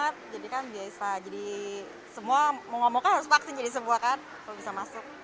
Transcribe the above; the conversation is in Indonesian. oh setuju banget jadi kan biasa jadi semua mau ngomong kan harus paksa jadi semua kan kalau bisa masuk